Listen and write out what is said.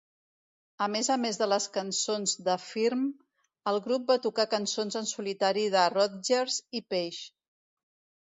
A més a més de les cançons de Firm, el grup va tocar cançons en solitari de Rodgers i Page.